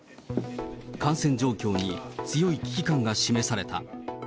感染状況に強い危機感が示された。